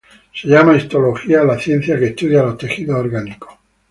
Se llama histología a la ciencia que estudia los tejidos orgánicos.